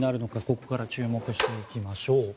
ここから注目していきましょう。